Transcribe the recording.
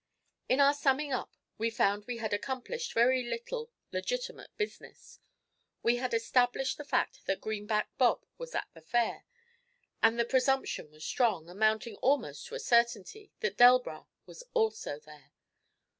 In our summing up we found we had accomplished very little legitimate business. We had established the fact that Greenback Bob was at the Fair, and the presumption was strong, amounting almost to a certainty, that Delbras was also there.